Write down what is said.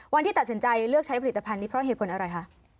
วันที่ตัดสินใจเลือกใช้ผลิตภัณฑ์นี้เพราะเหตุผลอะไรคะ